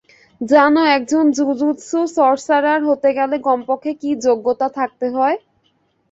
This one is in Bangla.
জানো একজন জুজুৎসু সর্সারার হতে গেলে কমপক্ষে কী যোগ্যতা থাকতে হয়?